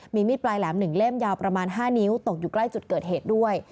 มีมีดปลายแหลม๑เล่มยาวประมาณ๕นิ้วตกอยู่ใกล้จุดเกิดเหตุด้วย